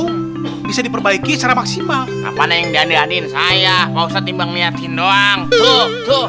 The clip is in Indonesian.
harus diperbaiki secara maksimal apanya yang diajatin saia mau setimbang ngeliatin doang tuh tuh